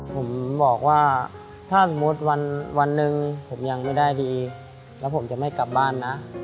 ผมบอกว่าถ้าสมมุติวันหนึ่งผมยังไม่ได้ดีแล้วผมจะไม่กลับบ้านนะ